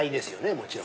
もちろん。